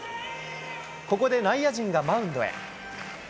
ここで内野陣がマウンドへ。